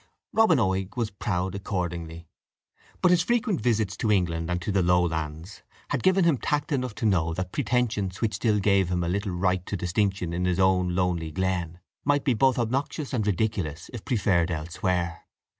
Robin Oig was proud accordingly; but his frequent visits to England and to the Lowlands had given him tact enough to know that pretensions which still gave him a little right to distinction in his own lonely glen might be both obnoxious and ridiculous if preferred elsewhere.